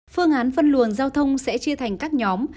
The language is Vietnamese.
phương án phân luồng giao thông sẽ chia thành các nhóm